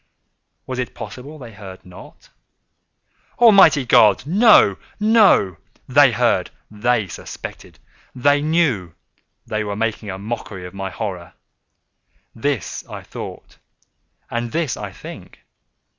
Was it possible they heard not? Almighty God!—no, no! They heard!—they suspected!—they knew!—they were making a mockery of my horror!—this I thought, and this I think.